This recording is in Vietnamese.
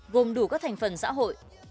gồm đủ các thành phần xã hội